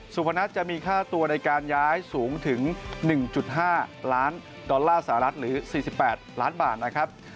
พนัทจะมีค่าตัวในการย้ายสูงถึง๑๕ล้านดอลลาร์สหรัฐหรือ๔๘ล้านบาทนะครับ